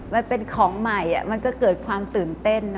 มันเป็นของใหม่มันก็เกิดความตื่นเต้นนะ